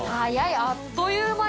あっという間に。